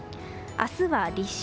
明日は立春。